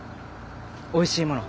おいしいもの